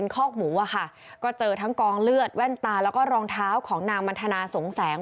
คอกหมูอ่ะค่ะก็เจอทั้งกองเลือดแว่นตาแล้วก็รองเท้าของนางมันทนาสงแสง